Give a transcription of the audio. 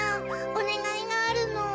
おねがいがあるの。